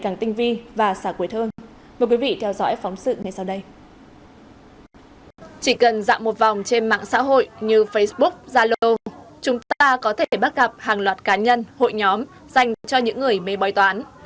như facebook zalo chúng ta có thể bắt gặp hàng loạt cá nhân hội nhóm dành cho những người mê bói toán